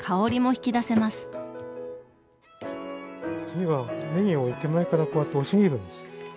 次はねぎを手前からこうやって押し切るんです。